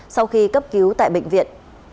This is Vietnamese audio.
sau khi cấp cứu tại bệnh viện